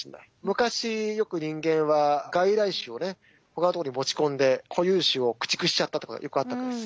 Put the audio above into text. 昔よく人間は外来種をね他のとこに持ち込んで固有種を駆逐しちゃったとかよくあったわけです。